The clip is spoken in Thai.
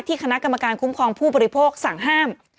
คณะกรรมการคุ้มครองผู้บริโภคสั่งห้าม